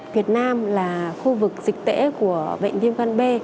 việt nam là khu vực dịch tễ của bệnh viêm gan b